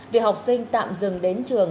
vì học sinh tạm dừng đến trường